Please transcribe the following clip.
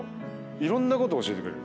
いろんなこと教えてくれる。